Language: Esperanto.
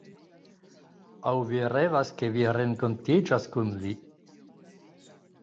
Aŭ vi revas ke vi renkontiĝas kun li